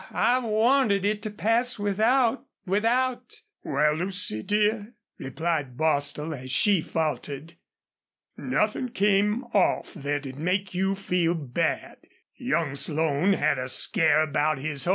I wanted it to pass without without " "Wal, Lucy dear," replied Bostil, as she faltered. "Nothin' came off thet'd make you feel bad. Young Slone had a scare about his hoss.